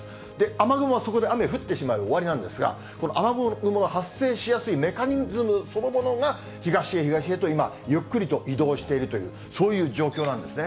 雨雲はそこで雨が降ってしまえば終わりなんですが、この雨雲の発生しやすいメカニズムそのものが東へ東へ、今、ゆっくりと移動しているという、そういう状況なんですね。